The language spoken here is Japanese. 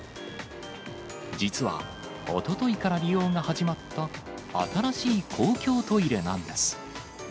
実は、おとといから利用が始まった新しい公共トイレなんです。